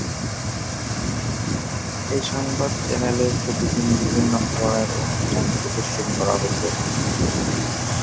এই সংবাদ চ্যানেলে প্রতিদিন বিভিন্ন ধরনের অনুষ্ঠান প্রদর্শন করা হত।